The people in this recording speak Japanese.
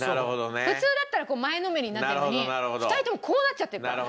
普通だったらこう前のめりになってるのに２人ともこうなっちゃってるから。